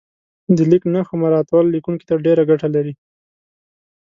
د لیک نښو مراعاتول لیکونکي ته ډېره ګټه لري.